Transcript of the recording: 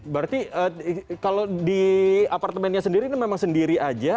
berarti kalau di apartemennya sendiri ini memang sendiri aja